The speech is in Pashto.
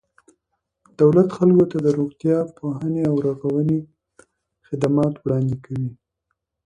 دولت خلکو ته د روغتیا، پوهنې او رغونې خدمات وړاندې کوي.